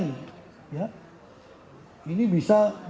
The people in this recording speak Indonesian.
ini bisa memprovokasi keamanan negara ini